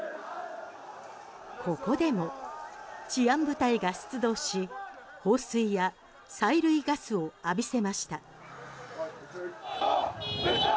ここでも治安部隊が出動し放水や催涙ガスを浴びせました。